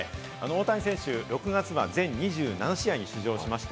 大谷選手、６月は全２７試合に出場しました。